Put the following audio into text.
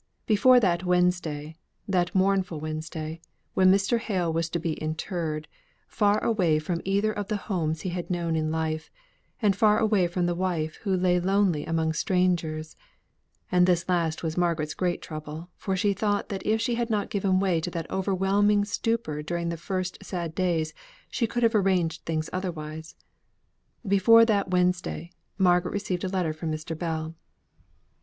Before that Wednesday that mournful Wednesday, when Mr. Hale was to be interred, far away from either of the homes he had known in life, and far away from the wife who lay lonely among strangers (and this last was Margaret's great trouble, for she thought that if she had not given way to that overwhelming stupor during the first sad days, she could have arranged things otherwise) before that Wednesday, Margaret received a letter from Mr. Bell.